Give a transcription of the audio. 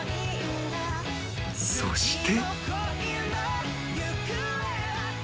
［そして］